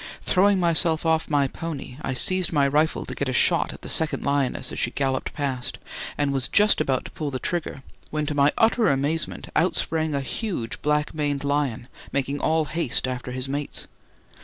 Throwing myself off my pony, I seized my rifle to get a shot at the second lioness as she galloped past, and was just about to pull the trigger, when to my utter amazement out sprang a huge black maned lion, making all haste after his mates.